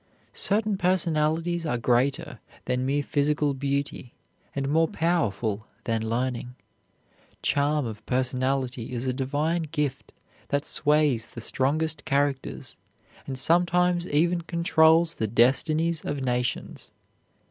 Certain personalities are greater than mere physical beauty and more powerful than learning. Charm of personality is a divine gift that sways the strongest characters, and sometimes even controls the destinies of nations.